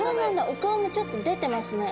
お顔もちょっと出てますね。